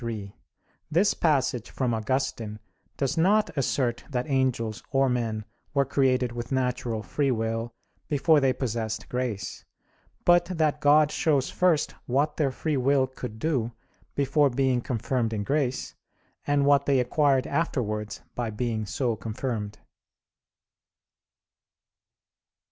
3: This passage from Augustine does not assert that angels or men were created with natural free will before they possessed grace; but that God shows first what their free will could do before being confirmed in grace, and what they acquired afterwards by being so confirmed.